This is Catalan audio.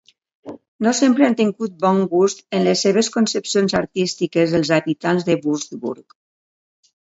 No sempre han tingut bon gust en les seves concepcions artístiques els habitants de Würzburg.